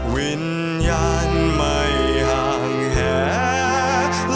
วิญญาณไม่ห่างแหก